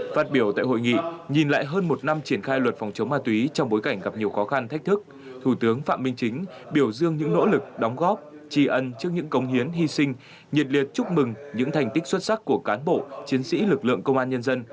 phát biểu tại hội nghị nhìn lại hơn một năm triển khai luật phòng chống ma túy trong bối cảnh gặp nhiều khó khăn thách thức thủ tướng phạm minh chính biểu dương những nỗ lực đóng góp tri ân trước những công hiến hy sinh nhiệt liệt chúc mừng những thành tích xuất sắc của cán bộ chiến sĩ lực lượng công an nhân dân